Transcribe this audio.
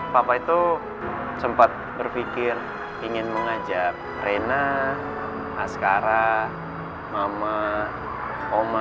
papa itu sempat berpikir ingin mengajak rena askara mama oma